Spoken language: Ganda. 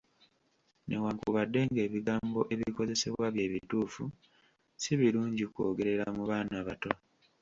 Newankubadde ng’ebigambo ebikozesebwa bye bituufu si birungi kwogerera mu baana bato.